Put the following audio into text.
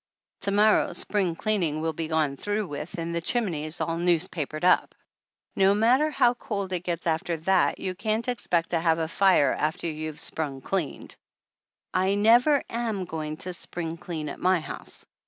To morrow spring cleaning will be gone through with and the chimneys all newspapered up. No matter how cold it gets after that you can't ex pect to have a fire after you've sprung cleaned! I never am going to spring clean at my house.